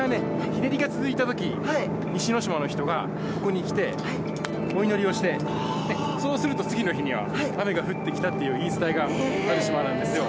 日照りが続いたとき西ノ島の人がここに来てお祈りをしてそうすると次の日には雨が降ってきたっていう言い伝えがある島なんですよ。